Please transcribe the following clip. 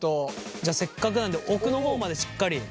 じゃあせっかくなんで奥の方までしっかり。